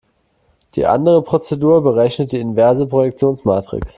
Die andere Prozedur berechnet die inverse Projektionsmatrix.